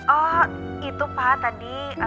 oh itu pak tadi